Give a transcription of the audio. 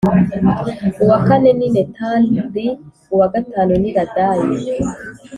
Uwa kane ni netan li uwa gatanu ni radayi